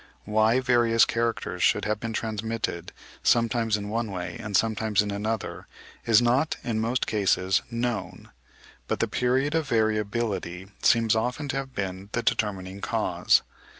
Why various characters should have been transmitted sometimes in one way and sometimes in another, is not in most cases known; but the period of variability seems often to have been the determining cause.